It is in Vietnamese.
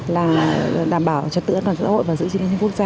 là đảm bảo cho tự ấn vào các xã hội và giữ chính trị của quốc gia